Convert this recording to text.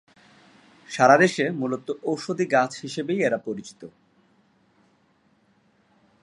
সারা দেশে মূলত ঔষধি গাছ হিসেবেই এরা পরিচিত।